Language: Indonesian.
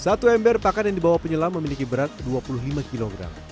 satu ember pakan yang dibawa penyelam memiliki berat dua puluh lima kg